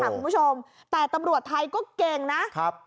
คุณผู้ชมแต่ตำรวจไทยก็เก่งนะครับ